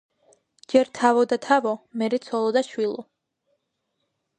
ჯერ თავო და თავო, მერე ცოლო და შვილო.